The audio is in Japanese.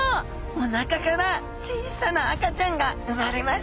おなかから小さな赤ちゃんが産まれましたね。